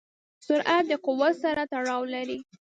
سرعت د قوت سره تړاو لري.